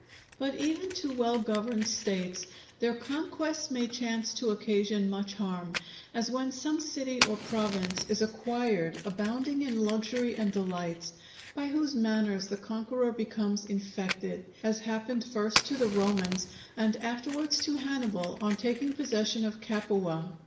But even to well governed States, their conquests may chance to occasion much harm; as when some city or province is acquired abounding in luxury and delights, by whose manners the conqueror becomes infected; as happened first to the Romans, and afterwards to Hannibal on taking possession of Capua.